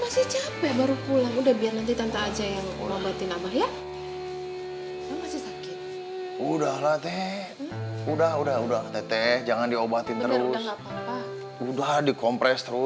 sampai jumpa di video selanjutnya